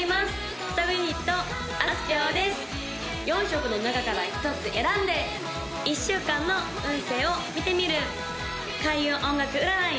４色の中から１つ選んで１週間の運勢を見てみる開運音楽占い